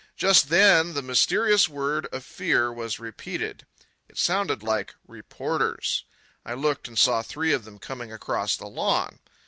Just then the mysterious word of fear was repeated. It sounded like Reporters. I looked and saw three of them coming across the lawn.